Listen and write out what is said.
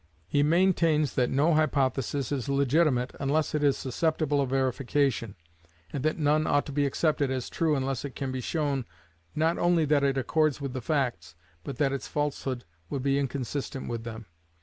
He maintains that no hypothesis is legitimate unless it is susceptible of verification, and that none ought to be accepted as true unless it can be shown not only that it accords with the facts, but that its falsehood would be inconsistent with them.